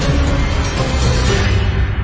ก็ไม่มีอัศวินทรีย์